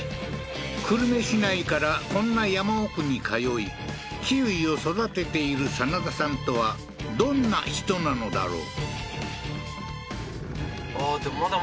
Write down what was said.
久留米市内からこんな山奥に通いキウイを育てているサナダさんとはどんな人なのだろう？